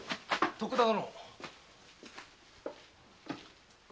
徳田殿。